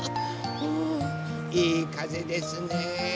ふいいかぜですね。